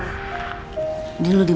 ada apa mir